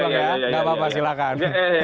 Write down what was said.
nggak apa apa silahkan